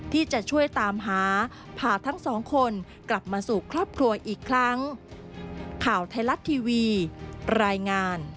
ที่จะช่วยตามหาพาทั้งสองคนกลับมาสู่ครอบครัวอีกครั้ง